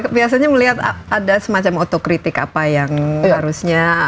biasanya melihat ada semacam otokritik apa yang harusnya